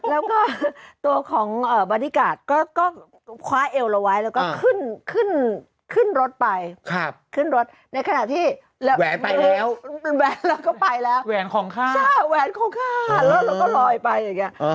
แล้วเราก็มองเห็นอย่างนี้ลอยไปอย่างนี้